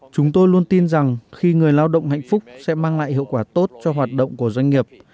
chúng tôi luôn tin rằng khi người lao động hạnh phúc sẽ mang lại hiệu quả tốt cho hoạt động của doanh nghiệp